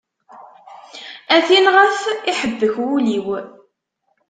A tin ɣef iḥebbek wul-iw.